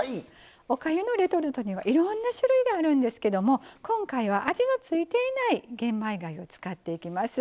おかゆのレトルトにはいろんな種類があるんですけど今回は、味の付いていない玄米がゆを使っていきます。